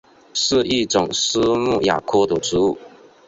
是一种苏木亚科的植物。